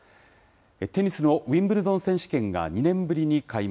テニスのウィンブルドン選手権が２年ぶりに開幕。